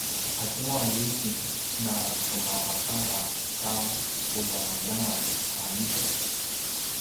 azua yubing na kemavakava ta quljangaljangas a itung